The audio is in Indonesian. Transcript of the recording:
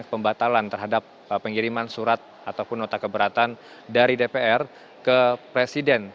pembatalan terhadap pengiriman surat ataupun nota keberatan dari dpr ke presiden